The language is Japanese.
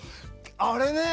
あれね。